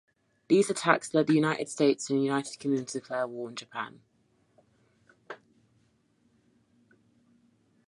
These attacks led the United States and United Kingdom to declare war on Japan.